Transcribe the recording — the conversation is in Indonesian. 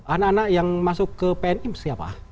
anak anak yang masuk ke pni siapa